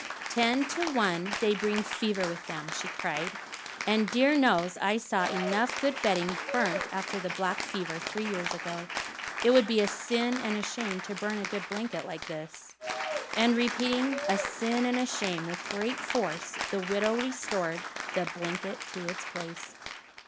"Ten to one they bring fever with them!" she cried; "and dear knows I saw enough good bedding burnt after the black fever, three years ago! It would be a sin and a shame to burn a good blanket like this." And repeating "a sin and a shame" with great force, the widow restored the blanket to its place.